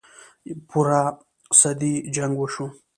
پوره صدۍ جـنګ وشو.